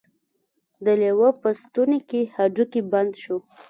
د لیوه په ستوني کې هډوکی بند شو.